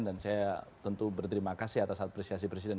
dan saya tentu berterima kasih atas apresiasi presiden